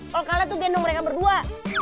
kalau kalah tuh gendong mereka berdua